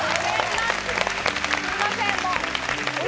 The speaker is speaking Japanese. すみません、もう。